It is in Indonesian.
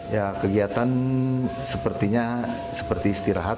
ya kegiatan sepertinya seperti istirahat